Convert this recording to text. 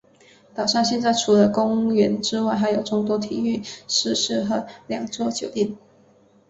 岛上现在除了公园之外还有众多体育设施和两座酒店。